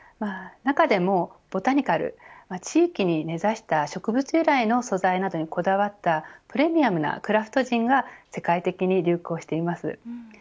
中でも、ボタニカル地域に根差した植物由来の素材などにこだわったプレミアムなクラフトジンが世界的に流行しています。